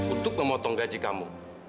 untuk memotong gaji kamu